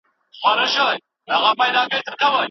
د منځنۍ پیړیو دوره د اروپا تاریخ یوه توره دوره ده.